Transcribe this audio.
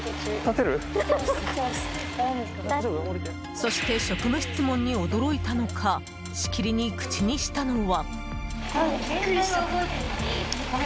そして、職務質問に驚いたのかしきりに口にしたのは。